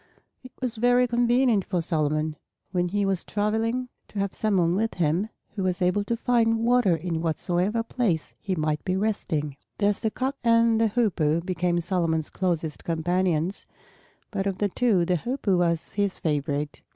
It was very convenient for Solomon, when he was traveling, to have some one with him who was able to find water in whatsoever place he might be resting. Thus the Cock and the Hoopoe became Solomon's closest companions; but of the two the Hoopoe was his favorite.